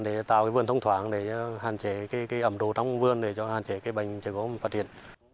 để tạo vườn thông thoảng để hạn chế ẩm đồ trong vườn để hạn chế bệnh chảy gôm phát hiện